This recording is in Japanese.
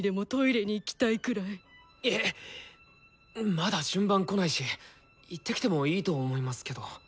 まだ順番来ないし行ってきてもいいと思いますけど。